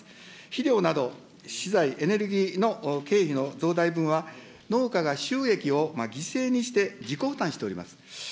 肥料など、資材、エネルギーの経費の増大分は、農家が収益を犠牲にして自己負担しております。